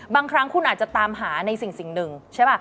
บางครั้งคุณอาจจะตามหาในสิ่งหนึ่งใช่ป่ะ